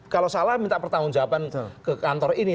kalau salah minta pertanggung jawaban ke kantor ini